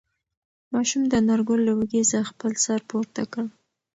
ماشوم د انارګل له اوږې څخه خپل سر پورته کړ.